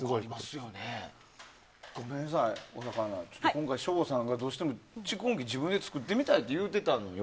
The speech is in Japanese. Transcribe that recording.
今回、省吾さんがどうしても蓄音機を自分で作ってみたいと言うてたんよ。